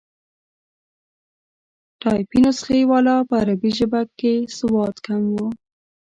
ټایپي نسخې والا په عربي ژبه کې سواد کم وو.